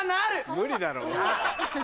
無理だろ。